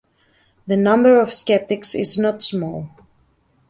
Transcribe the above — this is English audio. The number of skeptics is not small.